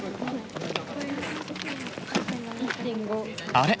あれ？